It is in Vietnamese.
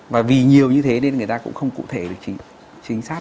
và vì nhiều như thế nên người ta cũng không cụ thể được chính xác